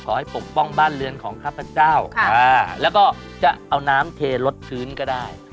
ปกป้องบ้านเรือนของข้าพเจ้าแล้วก็จะเอาน้ำเทลดพื้นก็ได้